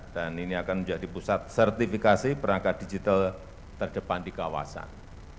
dan ini akan menjadi pusat sertifikasi perangkat digital terdepan di kawasan